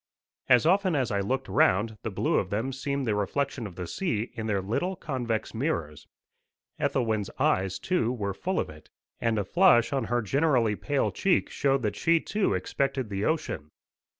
As often as I looked round, the blue of them seemed the reflection of the sea in their little convex mirrors. Ethelwyn's eyes, too, were full of it, and a flush on her generally pale cheek showed that she too expected the ocean.